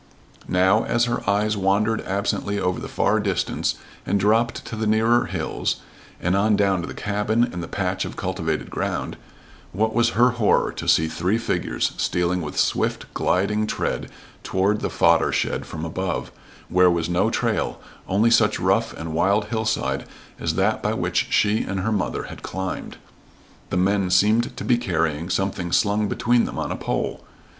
Now, as her eyes wandered absently over the far distance and dropped to the nearer hills, and on down to the cabin and the patch of cultivated ground, what was her horror to see three figures stealing with swift, gliding tread toward the fodder shed from above, where was no trail, only such rough and wild hillside as that by which she and her mother had climbed. The men seemed to be carrying something slung between them on a pole.